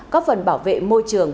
có phần bảo vệ môi trường